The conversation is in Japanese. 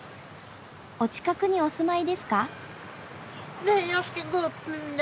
お近くにお住まいですか？